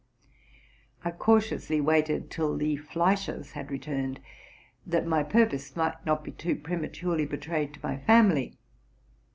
I cautious ly waited till the Fleischers had returned, that my purpose might not be too prematurely betrayed to my family.